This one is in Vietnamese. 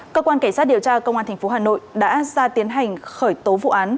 cơ quan cảnh sát điều tra công an tp hà nội đã ra tiến hành khởi tố vụ án